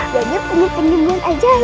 jadi penyembuhan ajaib